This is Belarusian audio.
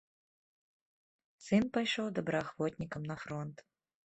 Сын пайшоў добраахвотнікам на фронт.